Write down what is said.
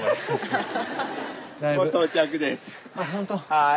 はい。